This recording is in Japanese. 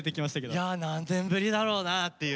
いや何年ぶりだろうなっていう。